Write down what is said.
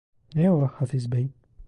Ne o Hafız bey?